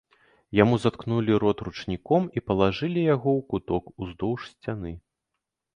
Яму заткнулі рот ручніком і палажылі яго ў куток ўздоўж сцяны.